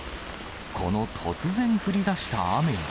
この突然降りだした雨に。